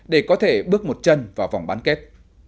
để có thể bước một chân vào vòng bán kết